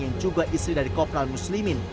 yang juga istri dari kopral muslimin